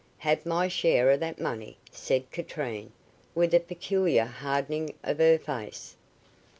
"Have my share of that money," said Katrine, with a peculiar hardening of her face.